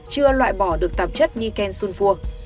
chưa loại bỏ được tạp chất niken sunfur